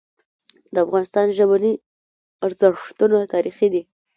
د افغانستان ژبني ارزښتونه تاریخي دي.